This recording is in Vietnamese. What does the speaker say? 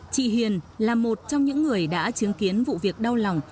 chị hiền là một trong những người đã chứng kiến vụ việc đau lòng